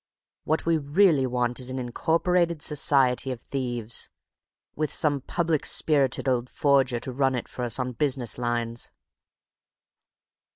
What we really want is an Incorporated Society of Thieves, with some public spirited old forger to run it for us on business lines."